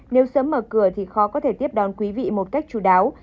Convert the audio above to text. nếu sớm mở cửa thì khó có thể tiếp đón quý vị một cách chú đáo